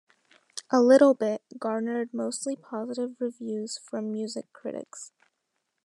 "A Little Bit" garnered mostly positive reviews from music critics.